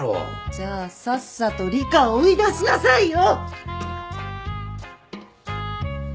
じゃあさっさと理花を追い出しなさいよ！